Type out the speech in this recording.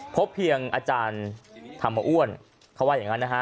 พบเพียงอาจารย์ธรรมอ้วนเขาว่าอย่างนั้นนะฮะ